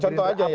contoh aja ya